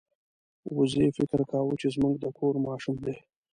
وزې فکر کاوه چې زموږ د کور ماشوم دی.